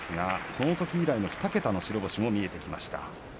それ以来の２桁の白星が見えてきました。